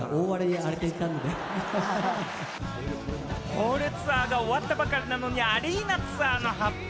ホールツアーが終わったばかりなのに、アリーナツアーの発表。